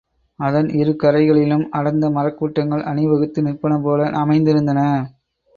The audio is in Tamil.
அதன் இரு கரைகளிலும் அடர்ந்த மரக் கூட்டங்கள் அணிவகுத்து நிற்பனபோல அமைந்திருந்தன.